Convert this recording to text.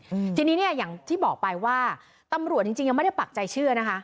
อืมทีนี้เนี้ยอย่างที่บอกไปว่าตำรวจจริงจริงยังไม่ได้ปักใจเชื่อนะคะ